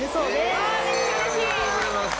めっちゃ嬉しい！